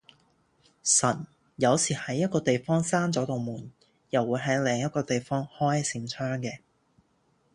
神有時喺一個地方閂左度門，又會喺另一個地方開一扇窗嘅